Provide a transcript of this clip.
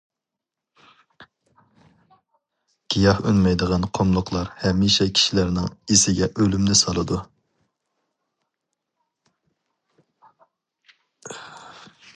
گىياھ ئۈنمەيدىغان قۇملۇقلار ھەمىشە كىشىلەرنىڭ ئېسىگە ئۆلۈمنى سالىدۇ.